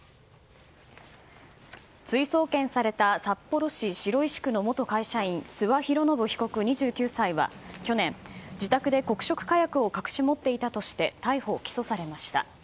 追送検された札幌市白石区の元会社員諏訪博宣被告、２９歳は去年、自宅で黒色火薬を隠し持っていたとして逮捕・起訴されました。